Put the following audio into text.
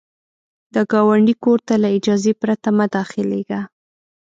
د ګاونډي کور ته له اجازې پرته مه داخلیږه